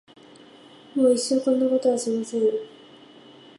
もう一生こんなことはしません。